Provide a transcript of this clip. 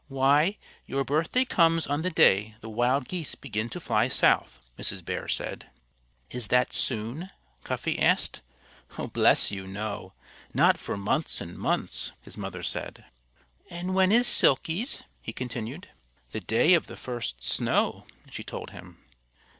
"Why, your birthday comes on the day the wild geese begin to fly south," Mrs. Bear said. "Is that soon?" Cuffy asked. "Bless you, no! Not for months and months!" his mother said. "And when is Silkie's?" he continued. "The day of the first snow," she told him.